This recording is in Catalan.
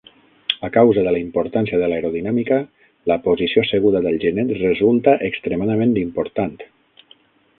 A causa de la importància de l'aerodinàmica, la posició asseguda del genet resulta extremadament important.